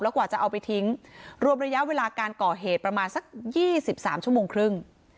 กว่าจะเอาไปทิ้งรวมระยะเวลาการก่อเหตุประมาณสัก๒๓ชั่วโมงครึ่ง